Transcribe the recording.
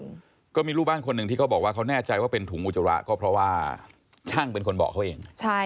อืมก็มีลูกบ้านคนหนึ่งที่เขาบอกว่าเขาแน่ใจว่าเป็นถุงอุจจาระก็เพราะว่าช่างเป็นคนบอกเขาเองใช่